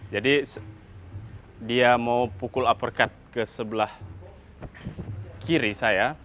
jadi dia mau pukul uppercut ke sebelah kiri saya